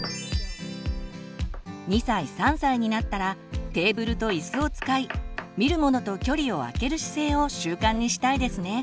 ２歳３歳になったらテーブルと椅子を使い見るものと距離をあける姿勢を習慣にしたいですね。